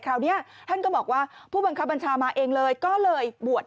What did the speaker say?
คราวนี้ท่านก็บอกว่าผู้บังคับบัญชามาเองเลยก็เลยบวช